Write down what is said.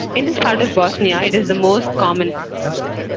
In this part of Bosnia it is the most common.